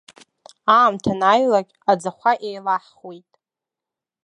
Аамҭа анааилак аӡахәа еилаҳхуеит.